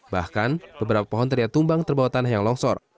bahkan beberapa pohon terlihat tumbang terbawa tanah yang longsor